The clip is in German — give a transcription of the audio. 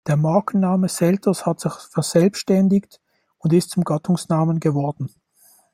Der Markenname „Selters“ hat sich verselbstständigt und ist zum Gattungsnamen geworden.